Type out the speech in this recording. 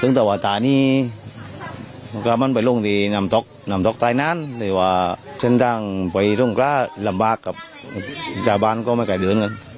ตั้งแต่ว่าตอนนี้ก็มันไปล่วงที่นำต๊อกนำต๊อกใต้นั้นหรือว่าเส้นทางไปล่วงกล้าลำบากกับจ้าบ้านก็ไม่ค่อยเดินกันอ๋อ